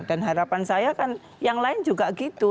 dan harapan saya kan yang lain juga gitu